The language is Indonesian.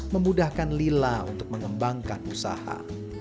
memudahkan lila untuk mengembangkan usaha